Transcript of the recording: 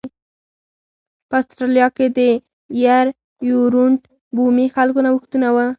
په اسټرالیا کې د یر یورونټ بومي خلکو نوښتونه و